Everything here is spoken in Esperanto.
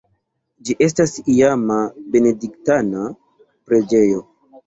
Ĝi estas iama benediktana preĝejo.